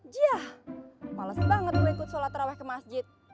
jah males banget gue ikut sholat raweh ke masjid